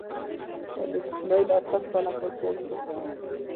امیر اسماعیل اته کاله پاچاهي وکړه.